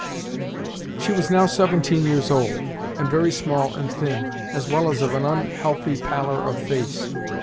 She was now seventeen years old, and very small and thin, as well as of an unhealthy pallor of face.